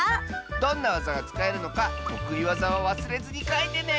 どんなわざがつかえるのかとくいわざをわすれずにかいてね！